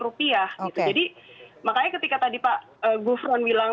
jadi makanya ketika tadi pak gufron bilang